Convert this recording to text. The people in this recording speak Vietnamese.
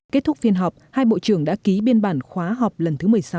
kết thúc phiên họp hai bộ trưởng đã ký biên bản khóa họp lần thứ một mươi sáu